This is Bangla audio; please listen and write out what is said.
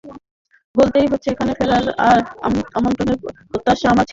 বলতেই হচ্ছে এখানে ফেরার আমন্ত্রণের প্রত্যাশা আমার ছিল না।